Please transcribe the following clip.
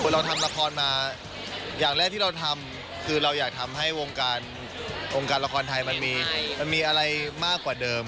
เราทำละครมาอย่างแรกที่เราทำคือเราอยากทำให้วงการวงการละครไทยมันมีอะไรมากกว่าเดิม